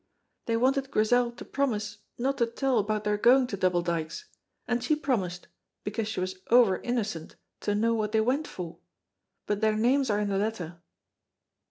They wanted Grizel to promise no to tell about their going to Double Dykes, and she promised because she was ower innocent to know what they went for but their names are in the letter."